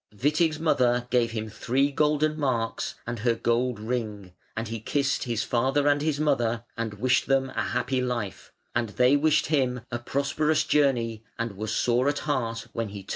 Witig's mother gave him three golden marks and her gold ring, and he kissed his father and his mother and wished them a happy life, and they wished him a prosperous journey and were sore at heart when he turned to go.